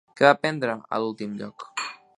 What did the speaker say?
Què va aprendre a l'últim lloc?